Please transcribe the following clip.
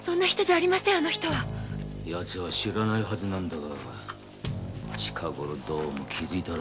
ヤツは知らないはずなんだが近ごろどうも気づいたらしい。